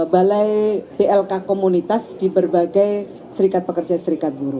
balai blk komunitas di berbagai serikat pekerja serikat buruh